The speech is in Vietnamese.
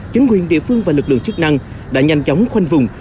chính quyền địa phương và lực lượng chức năng đã nhanh chóng khoanh vùng